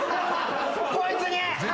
こいつに。